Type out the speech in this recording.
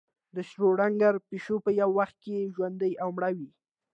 د شروډنګر پیشو په یو وخت کې ژوندۍ او مړه وي.